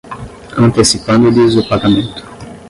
antecipando-lhes o pagamento